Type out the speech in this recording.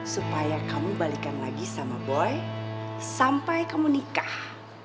supaya kamu balikan lagi sama boy sampai kamu nikah